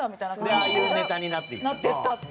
でああいうネタになっていったんだ。